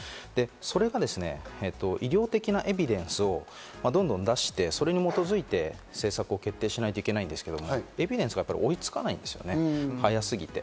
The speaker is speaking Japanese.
それが医療的なエビデンスをどんどん出して、それに基づいて政策を決定しないといけないんですけど、エビデンスが追いつかないんですね、早すぎて。